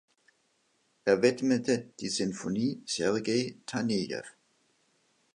Er widmete die Sinfonie Sergei Tanejew.